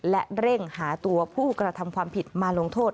และเร่งหาตัวผู้กระทำความผิดมาลงโทษ